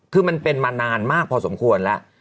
คือมันเป็นมานานมากพอสมควรแล้ว